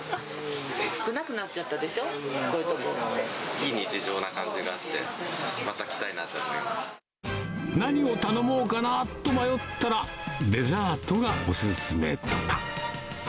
少なくなっちゃったでしょ、非日常な感じがあって、何を頼もうかなと迷ったら、デザートがお勧めとか。